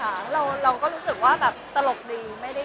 เรารู้สึกยังไงกับสัมภาษณ์เขา